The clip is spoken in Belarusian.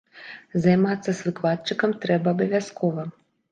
Займацца з выкладчыкам трэба абавязкова.